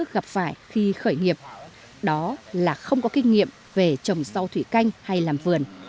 gặp phải khi khởi nghiệp đó là không có kinh nghiệm về trồng rau thủy canh hay làm vườn